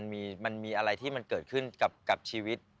มันมีอะไรที่มันเกิดขึ้นกับชีวิต